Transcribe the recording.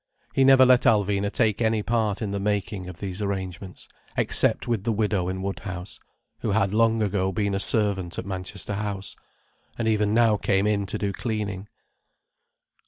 He never let Alvina take any part in the making of these arrangements, except with the widow in Woodhouse, who had long ago been a servant at Manchester House, and even now came in to do cleaning.